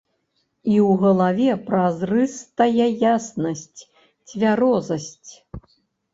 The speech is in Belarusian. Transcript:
І ў галаве празрыстая яснасць, цвярозасць.